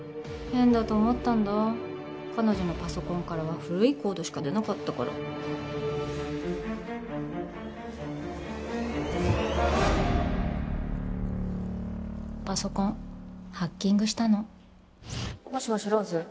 ヘンだと思ったんだ彼女のパソコンからは古いコードしか出なかったからパソコンハッキングしたのもしもしローズ？